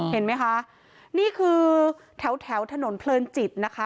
เห็นไหมคะนี่คือแถวถนนเพลินจิตนะคะ